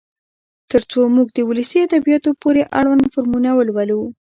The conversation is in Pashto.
تر څو موږ د ولسي ادبياتو پورې اړوند فورمونه ولولو.